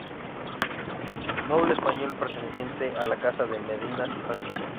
Noble español perteneciente a la casa de Medina Sidonia.